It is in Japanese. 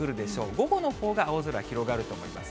午後のほうが青空広がると思います。